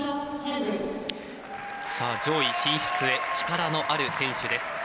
上位進出へ力のある選手です。